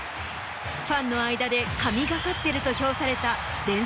ファンの間で「神がかってる」と評された。